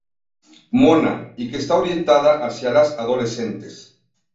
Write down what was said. Mona" y que está orientada hacia las adolescentes.